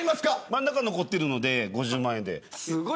真ん中残っているので５０万円で。